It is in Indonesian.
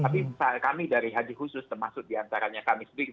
tapi kami dari haji khusus termasuk diantaranya kami sendiri